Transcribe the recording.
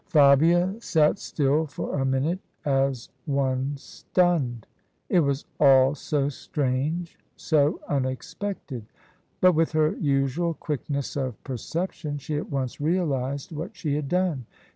Fabia sat still for a minute as one stimned. It was all so strange, so unexpected. But, with her usual quickness of perception, she at once realised what she had done.